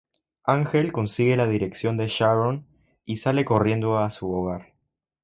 Ángel consigue la dirección de Sharon y sale corriendo a su hogar.